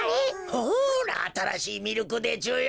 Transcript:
ほらあたらしいミルクでちゅよ。